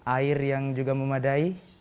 air yang juga memadai